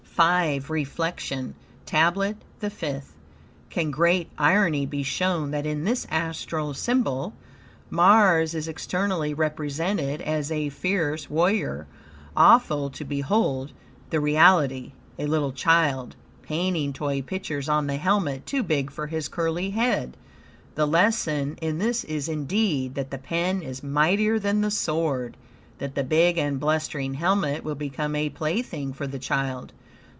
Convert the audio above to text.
V REFLECTION TABLET THE FIFTH Can greater irony be shown than in this astral symbol. Mars is externally represented as a fierce warrior, awful to behold; the reality, a little child, painting toy pictures on the helmet, too big for his curly head. The lesson in this is indeed, that the pen is mightier than the sword; that the big and blustering helmet will become a plaything for the child.